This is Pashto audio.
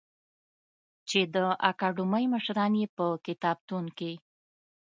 چې د اکاډمۍ مشران یې په کتابتون کې